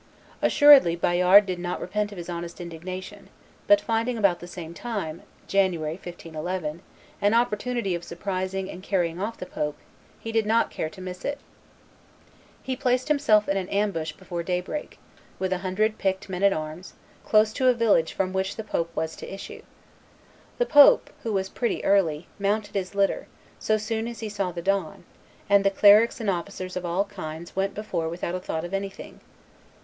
Assuredly Bayard did not repent of his honest indignation; but, finding about the same time (January, 1511) an opportunity of surprising and carrying off the pope, he did not care to miss it; he placed himself in ambush before day break, with a hundred picked men at arms, close to a village from which the pope was to issue. "The pope, who was pretty early, mounted his litter, so soon as he saw the dawn, and the clerics and officers of all kinds went before without a thought of anything.